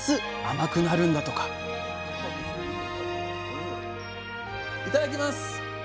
甘くなるんだとかいただきます。